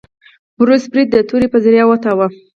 بوریس برید د تورې په ذریعه وتاوه.